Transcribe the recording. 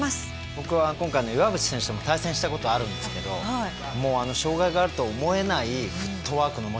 僕は今回の岩渕選手とも対戦したことあるんですけど障害があると思えないフットワークの持ち主で。